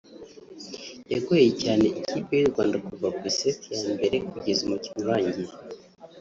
yagoye cyane ikipe y’u Rwanda kuva ku iseti ya mbere kugeza umukino urangiye